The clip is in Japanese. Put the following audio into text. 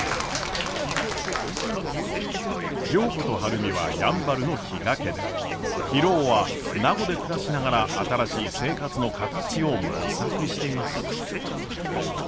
良子と晴海はやんばるの比嘉家で博夫は名護で暮らしながら新しい生活の形を模索しています。